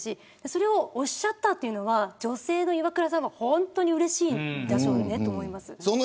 それをおっしゃったというのは女性のイワクラさんは本当にうれしいと思います。